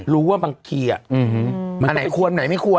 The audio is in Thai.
รู้ว่าบางทีอะอันไหนควรอันไหนไม่ควร